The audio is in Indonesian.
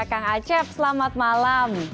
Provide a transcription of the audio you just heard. kang acep selamat malam